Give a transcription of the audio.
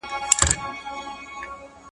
ښه ذهنیت ځواک نه کموي.